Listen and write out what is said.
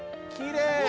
きれい。